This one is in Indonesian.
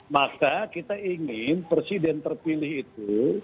maka kita ingin presiden terpilih itu